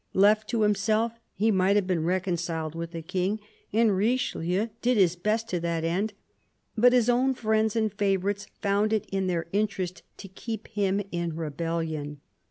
Left to himself, he might have been reconciled with the King, and Richelieu did his best to that end ; but his own friends and favourites found it to their interest to keep him in rebellion.